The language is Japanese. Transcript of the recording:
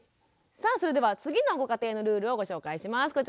さあそれでは次のご家庭のルールをご紹介します。